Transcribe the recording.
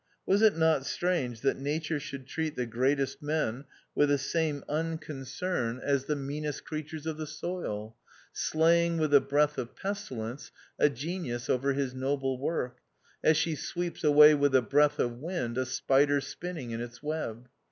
Was it not strange that Nature should treat the greatest men with the same unconcern as 244 THE OUTCAST. the meanest creatures of the soil, slaying with a breath of pestilence a genius over his noble work, as she sweeps away with a breath of wind a spicier spinning in its web?